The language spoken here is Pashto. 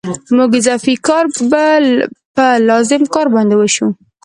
موږ اضافي کار په لازم کار باندې وېشو